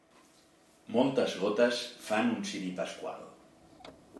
Moltes gotes fan un ciri pasqual.